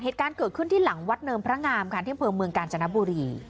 เหตุการณ์เกิดขึ้นที่หลังวัดเนินพระงามค่ะที่อำเภอเมืองกาญจนบุรี